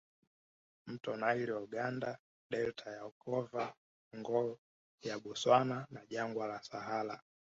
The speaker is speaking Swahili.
Mto Nile wa Uganda Delta ya Okava ngo ya Bostwana na Jangwa la Sahara